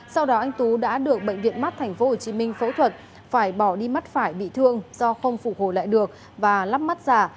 sau đó anh tú đã được bệnh viện mắt tp hcm phẫu thuật phải bỏ đi mắt phải bị thương do không phục hồi lại được và lắp mắt giả